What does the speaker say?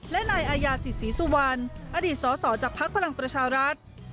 และนายอายาศิษศรีสุวรรณอดีตสสจากภักดิ์พลังประชารัฐ